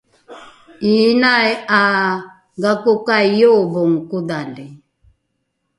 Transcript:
’iinai ’a gakokai ’iobongo kodhali?